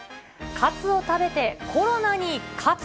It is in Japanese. カツを食べて、コロナに勝つ。